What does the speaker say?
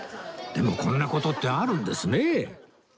でもこんな事ってあるんですね